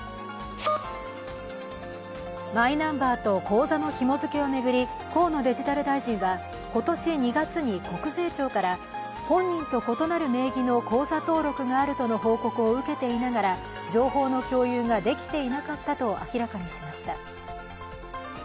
マイナンバーと口座のひも付けを巡り、河野デジタル大臣は今年２月に国税庁から本人と異なる名義の口座登録があるとの報告を受けていながら、情報の共有ができていなかったと明らかにしました。